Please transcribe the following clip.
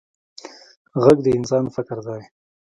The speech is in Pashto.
غږ د انسان فکر دی